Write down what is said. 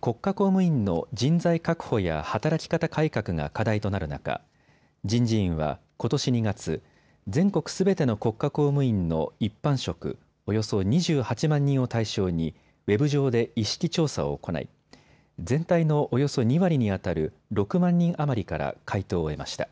国家公務員の人材確保や働き方改革が課題となる中、人事院はことし２月、全国すべての国家公務員の一般職およそ２８万人を対象にウェブ上で意識調査を行い、全体のおよそ２割にあたる６万人余りから回答を得ました。